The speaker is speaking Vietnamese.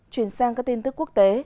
chuyển sang các tin tức quốc tế